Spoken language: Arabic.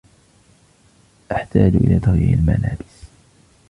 أحتاج إلى تغيير الملابس.